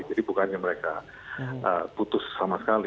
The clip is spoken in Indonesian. jadi bukannya mereka putus sama sekali